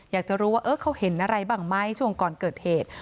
อยากจะรู้ว่าเขาเห็นอะไรบ้างไหมช่วงก่อนเกิดเหตุ